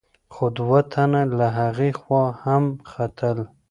خو دوه تنه له هغې خوا هم ختل.